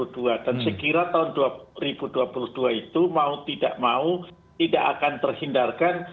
dan sekiranya tahun dua ribu dua puluh dua itu mau tidak mau tidak akan terhindarkan